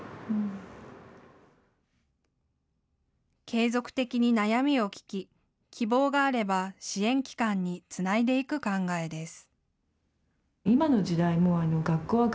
継続的に悩みを聞き希望があれば支援機関につないでいく考えです。